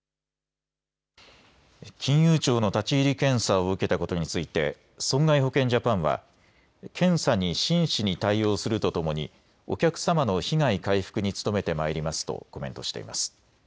金融庁の立ち入り検査を受けたことについて損害保険ジャパンは検査に真摯に対応するとともにお客様の被害回復に努めてまいりますとコメントしています。